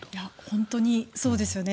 本当にそうですよね。